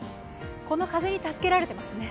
この風に助けられてますね。